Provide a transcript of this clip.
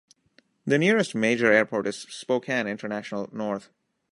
The nearest major airport is Spokane International, north.